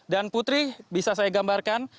dan putri bisa saya gambarkan